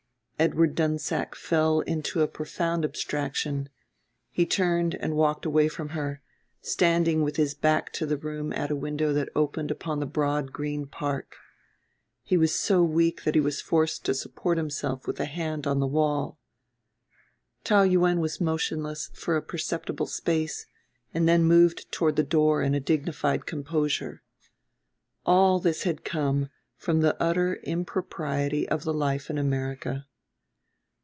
Edward Dunsack fell into a profound abstraction: he turned and walked away from her, standing with his back to the room at a window that opened upon the broad green park. He was so weak that he was forced to support himself with a hand on the wall. Taou Yuen was motionless for a perceptible space, and then moved toward the door in a dignified composure. All this had come from the utter impropriety of the life in America.